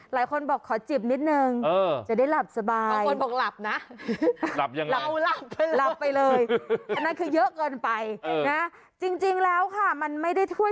หลายคนบอกขอจบนิดนึงจะได้หลับสบาย